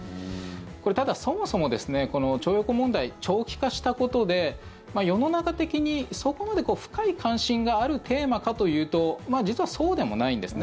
ただ、そもそも徴用工問題長期化したことで世の中的にそこまで深い関心があるテーマかというと実はそうでもないんですね。